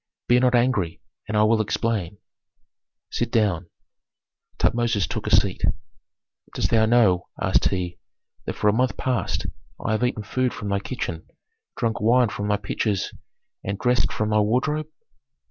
"Be not angry, and I will explain." "Sit down." Tutmosis took a seat. "Dost thou know," asked he, "that for a month past I have eaten food from thy kitchen, drunk wine from thy pitchers, and dressed from thy wardrobe?"